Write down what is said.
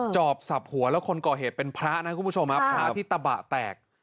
ชอบสับหัวแล้วคนก่อเหตุเป็นพระที่ตะบะแตก